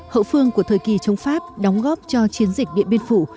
hậu phương của thời kỳ chống pháp đóng góp cho chiến dịch điện biên phủ